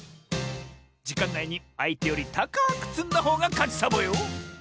じかんないにあいてよりたかくつんだほうがかちサボよ！